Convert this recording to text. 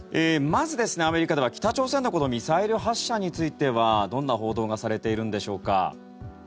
まず、アメリカでは北朝鮮のミサイル発射についてはどんな報道がされているんでしょうか。